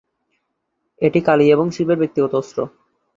এটি কালী এবং শিবের ব্যক্তিগত অস্ত্র।